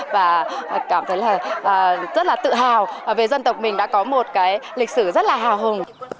và cảm thấy là rất là tự hào về dân tộc mình đã có một cái lịch sử rất là hào hùng